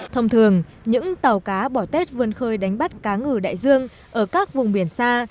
thông thường những tàu cá bỏ tết vươn khơi đánh bắt cá ngừ đại dương ở các vùng biển xa